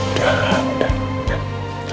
udah lah udah